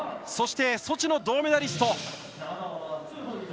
そして、ソチの銅メダリスト。